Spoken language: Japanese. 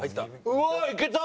うわあいけた！